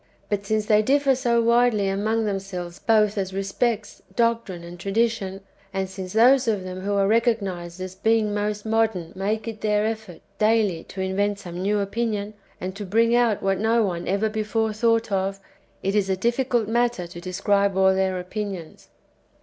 ^ But since they differ so widely among themselves both as respects doctrine and tradition, and since those of them who are recognised as being most modern make it their effort daily to invent some new opinion, and to bring out what no one ever before thought of, it is a difficult matter to describe all their opinions.